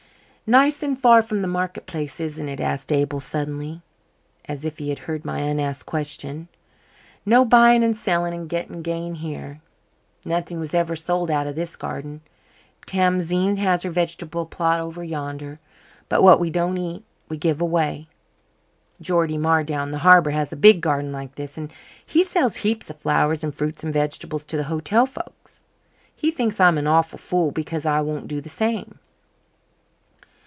"Nice and far from the market place isn't it?" asked Abel suddenly, as if he had heard my unasked question. "No buying and selling and getting gain here. Nothing was ever sold out of this garden. Tamzine has her vegetable plot over yonder, but what we don't eat we give away. Geordie Marr down the harbour has a big garden like this and he sells heaps of flowers and fruit and vegetables to the hotel folks. He thinks I'm an awful fool because I won't do the same.